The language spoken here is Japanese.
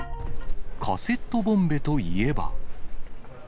カセットボンベといえば。